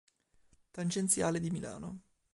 Tangenziale di Milano